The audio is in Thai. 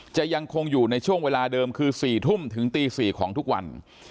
จะยังคงอยู่ในช่วงเวลาเดิมคือ๔ทุ่มถึงตี๔ของทุกวัน